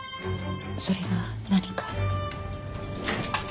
それが何か？